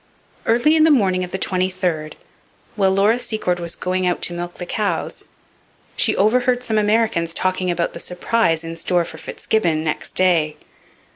Early in the morning of the 23rd, while Laura Secord was going out to milk the cows, she overheard some Americans talking about the surprise in store for FitzGibbon next day.